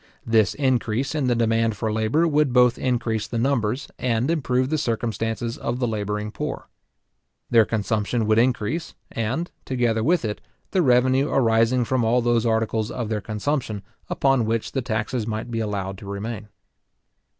This increase in the demand for labour would both increase the numbers, and improve the circumstances of the labouring poor. Their consumption would increase, and, together with it, the revenue arising from all those articles of their consumption upon which the taxes might be allowed to remain.